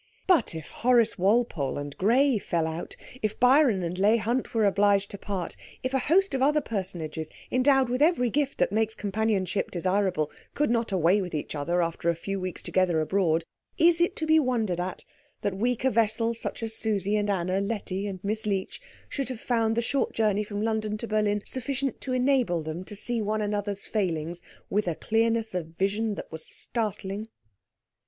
But if Horace Walpole and Grey fell out, if Byron and Leigh Hunt were obliged to part, if a host of other personages, endowed with every gift that makes companionship desirable, could not away with each other after a few weeks together abroad, is it to be wondered at that weaker vessels such as Susie and Anna, Letty and Miss Leech, should have found the short journey from London to Berlin sufficient to enable them to see one another's failings with a clearness of vision that was startling?